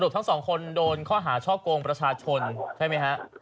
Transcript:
สรุปทั้งสองคนโดนช่อโกงประชาชนใช่ไหมฮะ